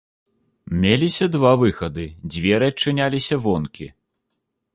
Меліся два выхады, дзверы адчыняліся вонкі.